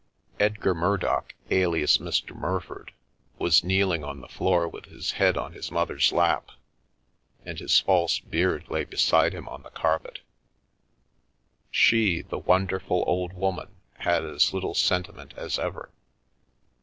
Edgar Murdock, alias Mr. Murford, was kneeling on the floor with his head on his mother's lap, and his false beard lay beside him on the carpet She, the wonderful old woman, had as little senti ment as ever.